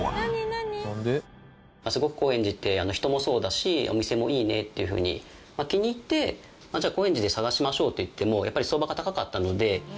すごく高円寺って人もそうだしお店もいいねっていうふうに気に入ってじゃあ高円寺で探しましょうといってもやっぱり相場が高かったので。